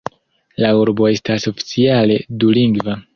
La urbo estas oficiale dulingva.